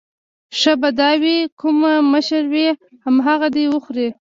ښه به دا وي کوم مشر وي همغه دې وخوري.